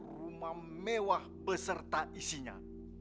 rumah mewah beserta isinya